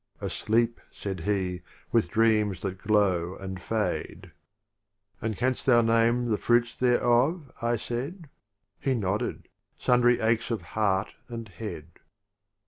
"A sleep," said he, "with dreams that glow and fade. 1 * ix The "And canst thou name the fruits there Preface f?» I said. He nodded: "Sundry aches of heart and head."